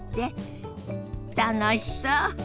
楽しそう。